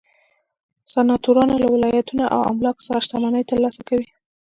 سناتورانو له ولایتونو او املاکو څخه شتمنۍ ترلاسه کولې.